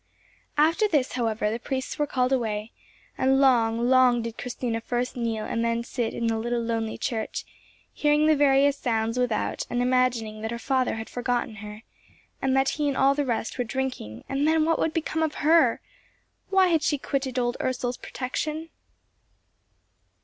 After this however the priests were called away, and long, long did Christina first kneel and then sit in the little lonely church, hearing the various sounds without, and imagining that her father had forgotten her, and that he and all the rest were drinking, and then what would become of her? Why had she quitted old Ursel's protection?